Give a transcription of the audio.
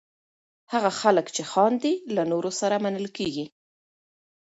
هغه خلک چې خاندي، له نورو سره منل کېږي.